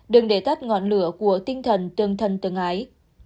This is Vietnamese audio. đừng để tắt ngọn lửa của tinh thần tương thân tương ái